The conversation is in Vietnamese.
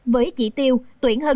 với chỉ tiêu tuyển hơn sáu mươi sáu